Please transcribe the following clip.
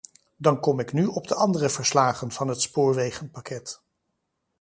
Dan kom ik nu op de andere verslagen van het spoorwegenpakket.